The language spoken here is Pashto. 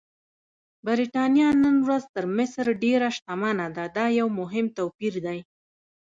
برېټانیا نن ورځ تر مصر ډېره شتمنه ده، دا یو مهم توپیر دی.